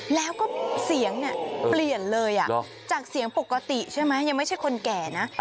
แล้วก็เสียงเนี่ยเปลี่ยนเลยจากเสียงปกติใช่ไหมยังไม่ใช่คนแก่นะ